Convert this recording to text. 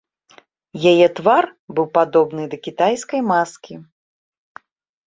Яе твар быў падобны да кітайскай маскі.